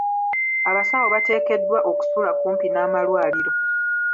Abasawo bateekeddwa okusula kumpi n'amalwaliro.